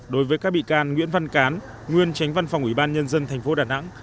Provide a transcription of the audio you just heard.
đối với các bị can nguyễn văn cán nguyên tránh văn phòng ủy ban nhân dân thành phố đà nẵng